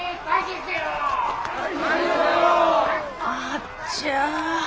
あっちゃ。